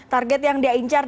target yang dia incar